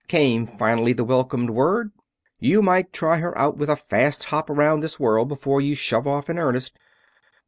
came finally the welcome word. "You might try her out with a fast hop around this world before you shove off in earnest."